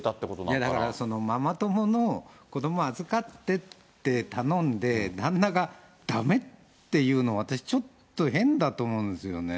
だからママ友の子どもを預かってって頼んで、旦那がだめって言うの、私ちょっと変だと思うんですよね。